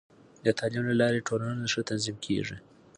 د تعلیم له لارې، ټولنه ښه تنظیم کېږي.